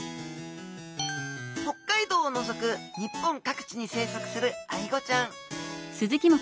北海道をのぞく日本各地に生息するアイゴちゃん。